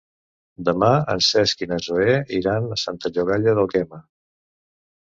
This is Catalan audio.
Demà en Cesc i na Zoè iran a Santa Llogaia d'Àlguema.